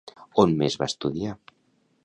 On més va estudiar?